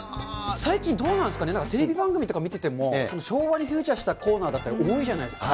最近どうなんすかね、なんかテレビ番組とか見てても、昭和にフューチャーしたコーナーだったり、多いじゃないですか。